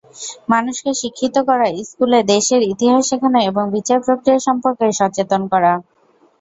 মানুষকে শিক্ষিত করা, স্কুলে দেশের ইতিহাস শেখানো এবং বিচার–প্রক্রিয়া সম্পর্কে সচেতন করা।